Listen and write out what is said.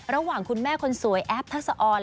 ระหว่างคุณแม่คนสวยแอฟทักษะออน